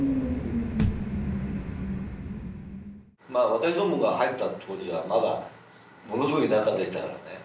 私どもが入った当時はまだものすごい田舎でしたからね